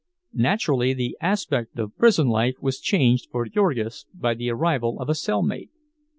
Naturally, the aspect of prison life was changed for Jurgis by the arrival of a cell mate.